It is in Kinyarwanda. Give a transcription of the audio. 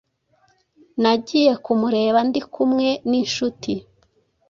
Nagiye kumureba ndi kumwe n’inshuti